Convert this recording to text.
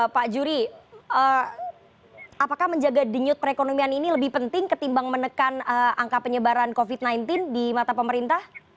pak juri apakah menjaga denyut perekonomian ini lebih penting ketimbang menekan angka penyebaran covid sembilan belas di mata pemerintah